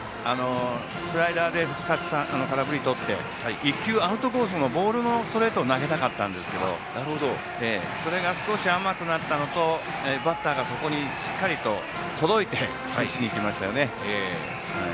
スライダーで空振りをとって１球、アウトコースのボールのストレートを投げたかったんですけどそれが少し甘くなったのとバッターがそこにしっかりと届いて打ちに行きましたよね。